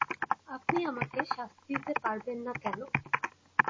আপনি আমাকে শাস্তি দিতে পারবেন না কেন?